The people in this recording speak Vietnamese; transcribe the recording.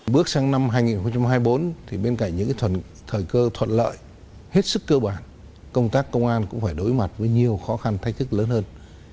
bước sang năm hai nghìn hai mươi bốn thì bên cạnh những thời cơ thuận lợi hết sức cơ bản công tác công an cũng phải đối mặt với nhiều khó khăn thách thức lớn hơn